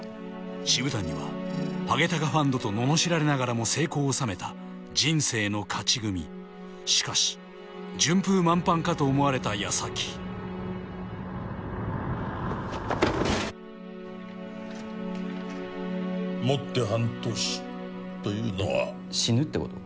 渋谷はハゲタカファンドとののしられながらも成功を収めた人生の勝ち組しかし順風満帆かと思われたやさきもって半年というのは死ぬってこと？